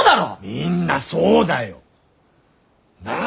みんなそうだよ。なあ？